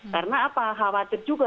karena apa khawatir juga